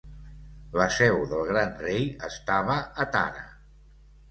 La seu del Gran Rei estava a Tara.